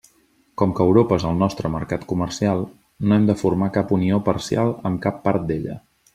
Com que Europa és el nostre mercat comercial, no hem de formar cap unió parcial amb cap part d'ella.